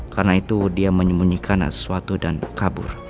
karena itu dia menyembunyikan sesuatu dan kabur